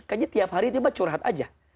kayanya tiap hari cuma curhat aja